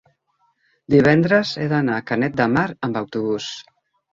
divendres he d'anar a Canet de Mar amb autobús.